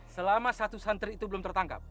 selama satu santri itu belum tertangkap